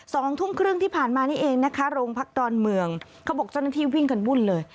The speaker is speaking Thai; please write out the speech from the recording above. สองทุ่มครึ่งที่ผ่านมานี่เองนะคะโรงพักดอนเมืองเขาบอกเจ้าหน้าที่วิ่งกันวุ่นเลย